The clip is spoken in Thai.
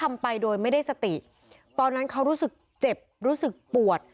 ไม่ได้สติตอนนั้นเขารู้สึกเจ็บรู้สึกปวด